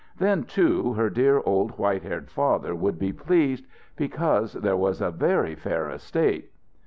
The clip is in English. Then, too, her dear old white haired father would be pleased, because there was a very fair estate....